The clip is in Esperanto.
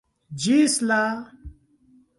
Ĝis la!